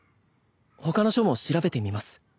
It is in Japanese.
他の書も調べてみます。